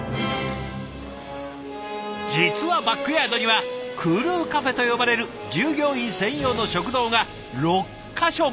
実はバックヤードには「クルーカフェ」と呼ばれる従業員専用の食堂が６か所も！